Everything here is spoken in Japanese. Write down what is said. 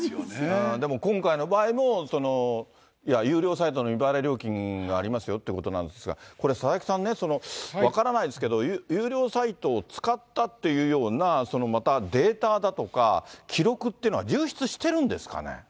でも今回の場合も、有料サイトの未払い料金がありますよっていうことなんですが、これ、佐々木さんね、その、分からないですけど、有料サイトを使ったっていうような、またデータだとか、記録っていうのは流出してるんですかね。